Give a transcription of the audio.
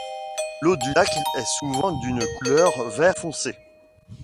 L'eau du lac est souvent d'une couleur vert foncé.